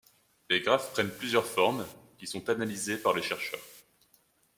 Les graphes prennent plusieurs formes qui sont analysées par les chercheurs.